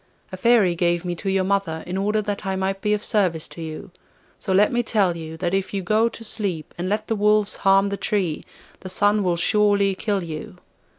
A Fairy gave me to your mother in order that I might be of service to you; so let me tell you, that if you go to sleep and let the wolves harm the tree, the Sun will surely kill you.